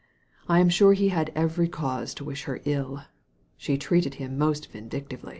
I am sure he had every cause to wish her ill She treated him most vindictively."